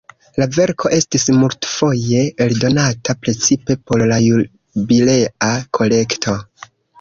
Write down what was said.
La verko estis multfoje eldonata, precipe por la Jubilea Kolekto.